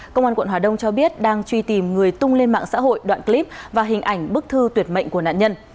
công an quận hà đông cho biết đang truy tìm người tung lên mạng xã hội đoạn clip và hình ảnh bức thư tuyệt mệnh của nạn nhân